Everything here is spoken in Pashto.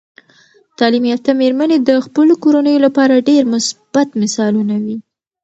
تعلیم یافته میرمنې د خپلو کورنیو لپاره ډیر مثبت مثالونه وي.